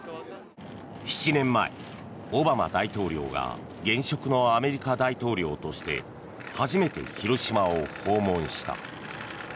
７年前、オバマ大統領が現職のアメリカ大統領として初めて広島を訪問した。